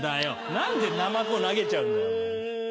何でナマコ投げちゃうんだお前。